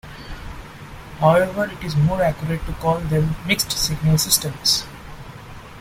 However, it is more accurate to call them mixed-signal systems.